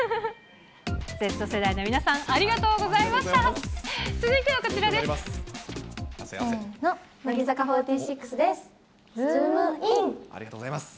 Ｚ世代の皆さん、ありがとうございました。